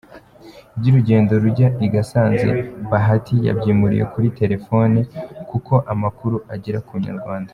Iby’urugendo rujya i Gasanze Bahati yabyimuriye kuri telefone, kuko amakuru agera ku Inyarwanda.